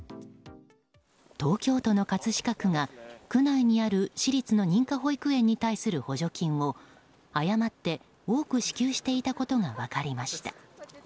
東京都の葛飾区が区内にある私立の認可保育園に対する補助金を誤って多く支給していたことが分かりました。